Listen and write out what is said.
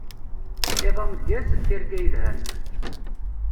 Iḍ ameggaz, tirga yelhan.